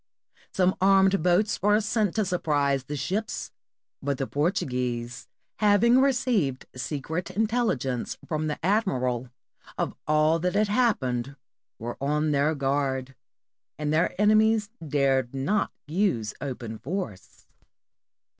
Some armed boats were sent to surprise the ships, but the Portuguese, having received secret intelligence from the admiral of all that had happened, were on their guard, and their enemies dared not use open force.